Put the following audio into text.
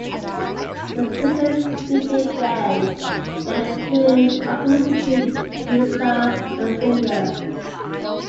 The session featuring Gaye led to an argument between the producer and singer.